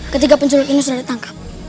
ketiga penculuk ini sudah ditangkap